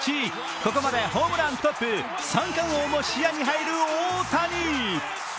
ここまでホームラントップ、三冠王も視野に入る大谷。